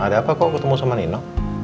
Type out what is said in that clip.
ada apa kok ketemu sama nino